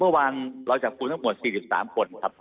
เมื่อวานเราจับกลุ่มทั้งหมด๔๓คนครับ